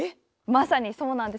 まさにそうなんです。